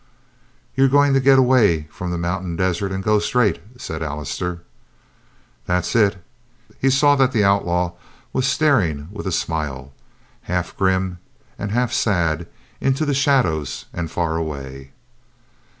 "You're going to get away from the mountain desert and go straight," said Allister. "That's it." He saw that the outlaw was staring with a smile, half grim and half sad, into the shadows and far away.